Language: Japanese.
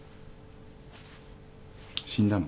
死んだの？